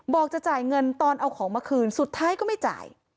จะจ่ายเงินตอนเอาของมาคืนสุดท้ายก็ไม่จ่าย